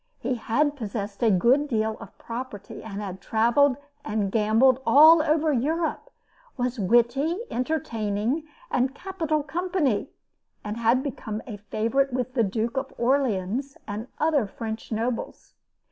He had possessed a good deal of property, had traveled and gambled all over Europe, was witty, entertaining, and capital company, and had become a favorite with the Duke of Orleans and other French nobles.